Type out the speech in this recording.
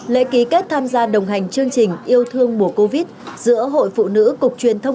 lễ ký kết tham gia đồng hành chương trình yêu thương mùa covid giữa hội phụ nữ cục truyền thông